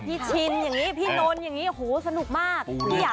ชินอย่างนี้พี่นนท์อย่างนี้โอ้โหสนุกมาก